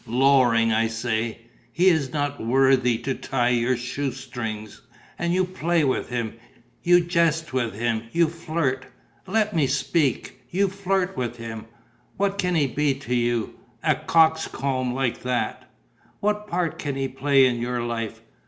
Lowering, I say. He is not worthy to tie your shoe strings. And you play with him, you jest with him, you flirt let me speak you flirt with him. What can he be to you, a coxcomb like that? What part can he play in your life?